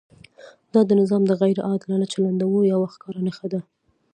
دا د نظام د غیر عادلانه چلندونو یوه ښکاره نښه ده.